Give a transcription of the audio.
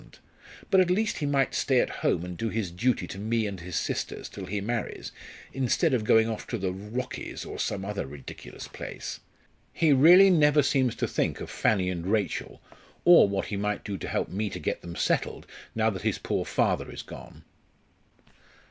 But at least he might stay at home and do his duty to me and his sisters till he marries, instead of going off to the 'Rockies' or some other ridiculous place. He really never seems to think of Fanny and Rachel, or what he might do to help me to get them settled now that his poor father is gone."